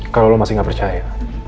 kalau lo masih nggak percaya